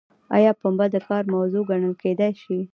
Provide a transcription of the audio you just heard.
ایا پنبه د کار موضوع ګڼل کیدای شي؟